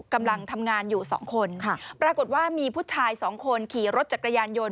กำลังทำงานอยู่สองคนปรากฏว่ามีผู้ชายสองคนขี่รถจักรยานยนต์